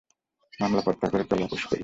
মামলা প্রত্যাহার করে চলো আপস করি।